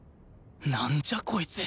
なんじゃ！？こいつ